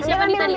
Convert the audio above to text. siapa nih tadi